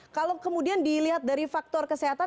kalau kemudian dilihat dari faktor kesehatan